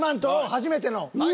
初めての。